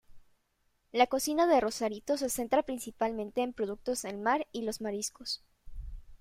La cocina de Rosarito se centra principalmente en productos del mar y los mariscos.